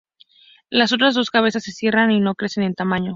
Las otras dos cabezas "se cierran" y no crecen en tamaño.